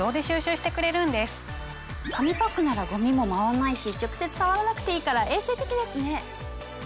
紙パックならゴミも舞わないし直接触らなくていいから衛生的ですね。